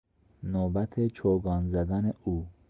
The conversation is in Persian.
نوبت چوگان زدن او